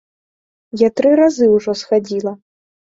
Я тры разы ўжо схадзіла.